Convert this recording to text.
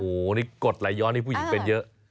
โอ้โหนี่กดไหลย้อนนี่ผู้หญิงเป็นเยอะ